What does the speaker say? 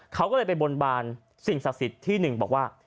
เขาก็เลยไปบนบานสิ่งศักดิ์สิทธิ์ที่หนึ่งบอกว่า